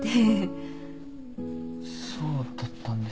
そうだったんですか。